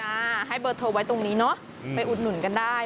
ให้เบอร์โทรไว้ตรงนี้เนอะไปอุดหนุนกันได้